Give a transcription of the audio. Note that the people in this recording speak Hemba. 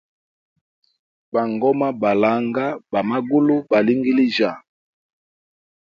Bangoma balanga, ba magulu balingilijya.